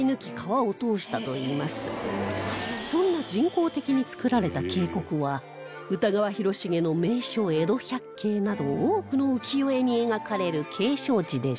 そんな人工的に造られた渓谷は歌川広重の『名所江戸百景』など多くの浮世絵に描かれる景勝地でした